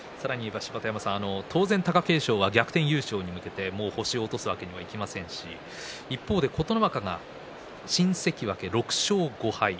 当然、貴景勝は逆転優勝に向けてもう星を落とすわけにもいきませんし一方の琴ノ若が新関脇６勝５敗。